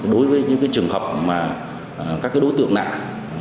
đối với những trường hợp các đối tượng nặng